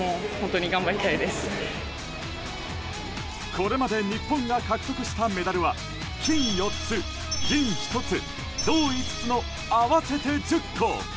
これまで日本が獲得したメダルは金４つ、銀１つ、銅５つの合わせて１０個。